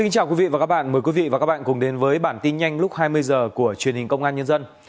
chào mừng quý vị đến với bản tin nhanh lúc hai mươi h của truyền hình công an nhân dân